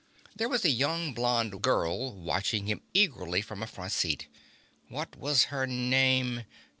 There was a young blonde girl watching him eagerly from a front seat. What was her name?